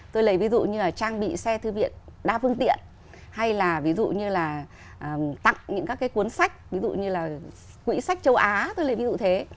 tôi lấy ví dụ như là trang bị xe thư viện đa phương tiện hay là ví dụ như là tặng những các cái cuốn sách ví dụ như là quỹ sách châu á tôi lấy ví dụ thế